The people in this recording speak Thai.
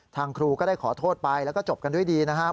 ครูก็ได้ขอโทษไปแล้วก็จบกันด้วยดีนะครับ